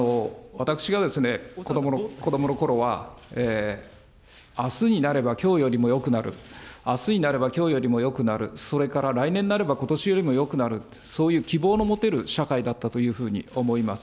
私が子どものころは、あすになればきょうよりもよくなる、あすになればきょうよりもよくなる、それから来年になればことしよりもよくなる、そういう希望の持てる社会だったというふうに思います。